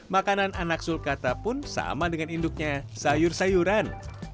makanan anak sulkata pun sama dengan induknya sayur sayuran